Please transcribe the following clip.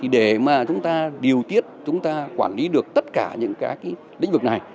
để mà chúng ta điều tiết chúng ta quản lý được tất cả những cái lĩnh vực này